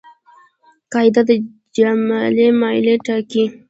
قاعده د جملې معیار ټاکي.